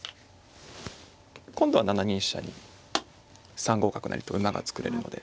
今度は７二飛車に３五角成と馬が作れるので。